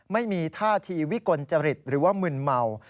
ไม่มีท่าทีวิกลจริตหรือว่ามึนเมา